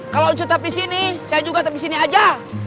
kalau ncoy tapi di sini saya juga tapi di sini aja